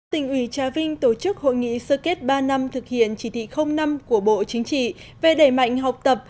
tỉnh ủy trà vinh tổ chức hội nghị sơ kết ba năm thực hiện chỉ thị năm của bộ chính trị về đẩy mạnh học tập